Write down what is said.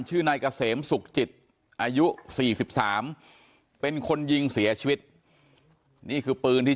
นายเกษมสุขจิตอายุ๔๓เป็นคนยิงเสียชีวิตนี่คือปืนที่